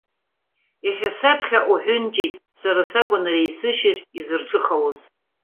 Иахьа саԥхьа уҳәынҷеит, сара сакәын ари есышьыжь изырҿыхалоз.